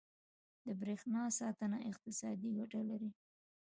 • د برېښنا ساتنه اقتصادي ګټه لري.